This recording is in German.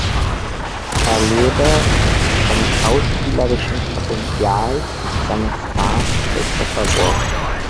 Er lebe „"vom schauspielerischen Potenzial seines Stars Christopher Walken"“.